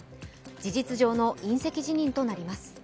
事実上の引責辞任となります。